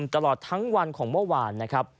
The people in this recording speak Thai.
ตลอดทั้งวันของเมื่อวานนะครับ